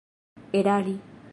erari